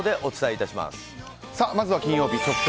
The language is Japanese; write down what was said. まずは金曜日直送！